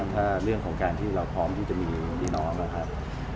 ถ้าเรื่องของการที่เราพร้อมที่จะมีพี่น้องนะครับ